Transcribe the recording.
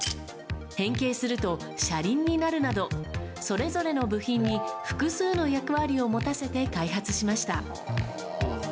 変形すると、車輪になるなど、それぞれの部品に複数の役割を持たせて開発しました。